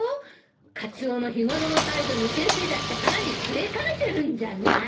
カツオの日頃の態度に先生だって腹に据えかねてるんじゃない？